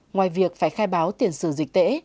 ngoài việc phải khai báo tiền sử dịch tễ